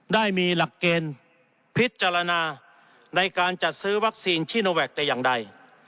ได้มีหลักเกณฑ์พิจารณาในการจัดซื้อวัคซีนชิโนแวคแต่อย่างใด